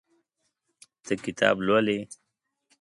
ته کتاب لولې.